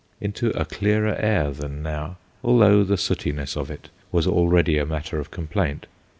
Into a clearer air than now, although the sootiness of it was already a matter of com plaint.